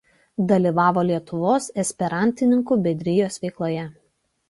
Dalyvavo Lietuvos esperantininkų bendrijos veikloje.